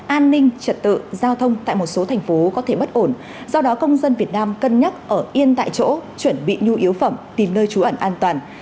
an ninh trật tự giao thông tại một số thành phố có thể bất ổn do đó công dân việt nam cân nhắc ở yên tại chỗ chuẩn bị nhu yếu phẩm tìm nơi trú ẩn an toàn